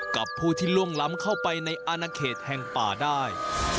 กับผู้ที่ล่วงล้ำเข้าไปในอาณาเขตแห่งป่าได้